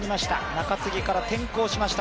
中継ぎから転向しました